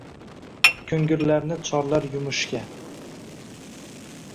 Ko‘ngillarni chorlar yumushga.